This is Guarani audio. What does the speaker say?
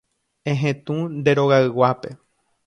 Ehetũ nde rogayguápe.